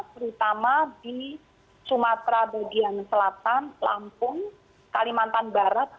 terutama di sumatera bagian selatan lampung kalimantan barat